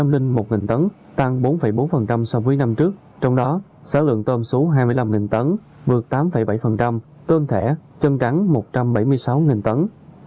hai trăm linh linh một tấn tăng bốn bốn so với năm trước trong đó số lượng tôm số hai mươi năm tấn vượt tám bảy tôm thẻ chân trắng một trăm bảy mươi sáu tấn